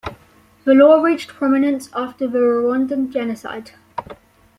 The law reached prominence after the Rwandan Genocide.